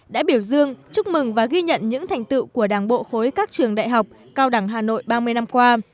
đã biểu dương chúc mừng và ghi nhận những thành tựu của đảng bộ khối các trường đại học cao đẳng hà nội ba mươi năm qua